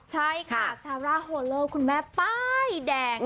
ใช่ค่ะซาร่าโฮโลคุณแม่ป้ายแดง